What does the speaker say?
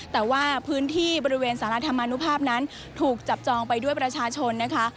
แต่ว่าพื้นที่บริเวณสารธรรมนุภาพนั้นถูกจับจองไปด้วยประชาชนนะคะ